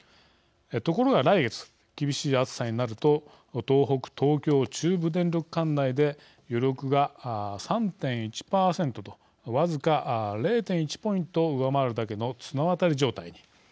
ところが来月、厳しい暑さになると東北・東京・中部電力管内で余力が３．１％と僅か０．１ポイント上回るだけの綱渡り状態に。